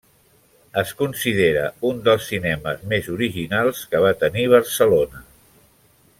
Es considera un dels cinemes més originals que va tenir Barcelona.